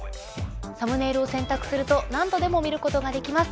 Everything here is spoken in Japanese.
サムネイルを選択すると何度でも見ることができます。